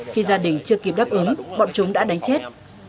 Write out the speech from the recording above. khi gia đình chưa kịp đáp ứng bọn chúng đã đánh chết